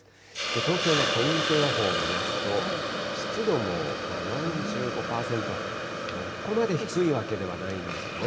東京のポイント予報を見ますと、湿度も４５％、そこまで低いわけではないんですよね。